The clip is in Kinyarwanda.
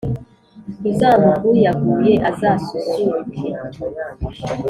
Uzamuguyaguye, azasusurukeee